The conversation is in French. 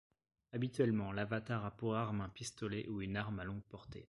Habituellement, l'avatar a pour arme un pistolet ou une arme à longue portée.